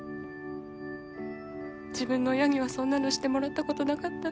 自分の親にはそんなのしてもらったことなかった。